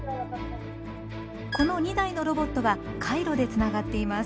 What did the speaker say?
この２台のロボットは回路でつながっています。